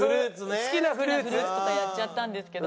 好きなフルーツとかやっちゃったんですけど。